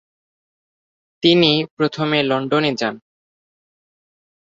তিনি প্রথমে লন্ডনে যান।